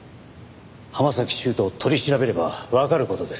浜崎修斗を取り調べればわかる事です。